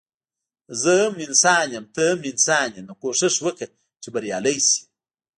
زه هم انسان يم ته هم انسان يي نو کوښښ وکړه چي بريالی شي